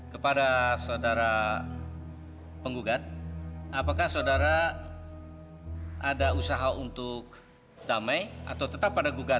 kepada saudara penggugat apakah saudara ada usaha untuk damai atau tetap pada gugatan